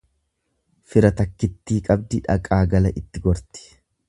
Fira takkittii qabdii dhaqaa gala itti gorti.